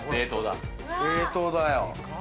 冷凍だよ。